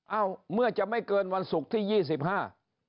เอ้าเมื่อจะไม่เกินวันศุกร์ที่ยี่สิบห้า